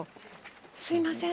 すいません。